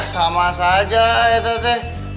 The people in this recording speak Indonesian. sama saja ya teh